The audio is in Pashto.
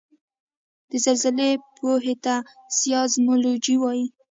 د زلزلې پوهې ته سایزمولوجي وايي